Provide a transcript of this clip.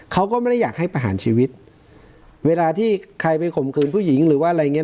เขาก็ไม่ได้อยากให้ประหารชีวิตเวลาที่ใครไปข่มขืนผู้หญิงหรือว่าอะไรอย่างเง